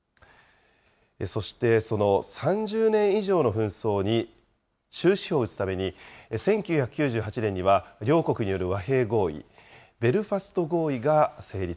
そしてその３０年以上の紛争に終止符を打つために、１９９８年には両国による和平合意、ベルファスト合意が成立。